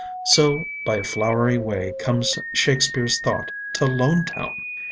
So by a flowery way comes Shakespeare's thought to Lonetown!